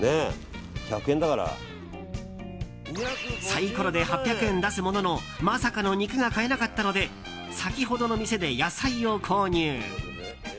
サイコロで８００円出すもののまさかの肉が買えなかったので先ほどの店で野菜を購入。